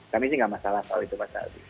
kami sih nggak masalah kalau itu pasal